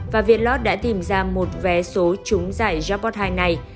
và việt lot đã tìm ra một vé số trúng giải jackpot hai này